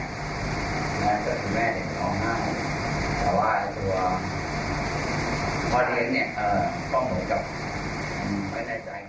และมันก็คือแม่เขาดูนองไห้แต่ว่าตัวข้อเดียวนี่อ่าด้วยกับไม่แน่ใจ